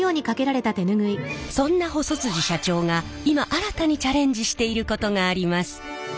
そんな細社長が今新たにチャレンジしていることがあります。